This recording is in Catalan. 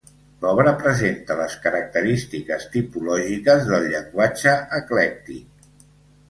L'obra presenta les característiques tipològiques del llenguatge eclèctic.